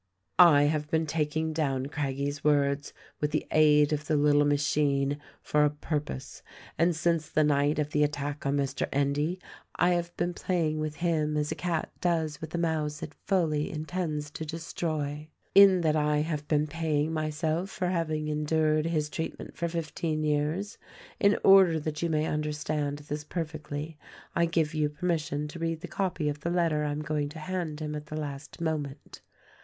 I have been taking down Craggie's words, with the aid of the little machine, for a purpose ; and since the night of the attack on Mr. Endy I have been playing with him as a cat does with a mouse it fully intends to destroy. In that I have been paying myself for having endured his treatment for fifteen years. In order that you may under stand this perfectly I give you permission to read the copy of the letter I am going to hand him at the last moment.